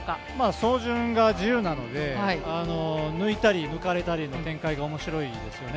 走順が自由なので抜いたり抜かれたりの展開が面白いですよね。